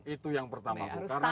itu yang pertama